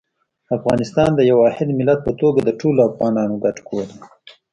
افغانستان د یو واحد ملت په توګه د ټولو افغانانو ګډ کور دی.